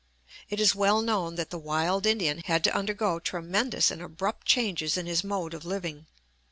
It is well known that the wild Indian had to undergo tremendous and abrupt changes in his mode of living.